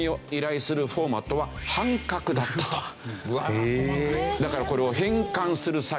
だからこれを。